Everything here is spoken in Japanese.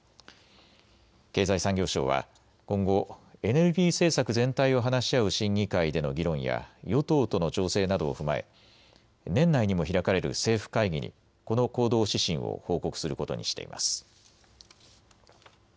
経済産業省は今後、エネルギー政策全体を話し合う審議会での議論や与党との調整などを踏まえ年内にも開かれる政府会議にこの行動指針を報告することにしています。